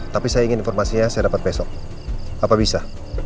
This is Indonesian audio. tapi saya ingin informasinya saya dapat besok apa bisa